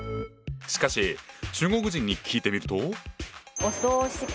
しかし中国人に聞いてみると。